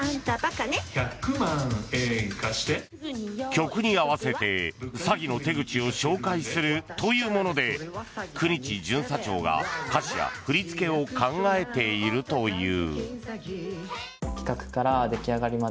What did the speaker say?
曲に合わせて詐欺の手口を紹介するというもので九日巡査長が歌詞や振り付けを考えているという。